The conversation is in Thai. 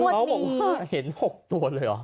เขาบอกว่าเห็น๖ตัวเลยเหรอ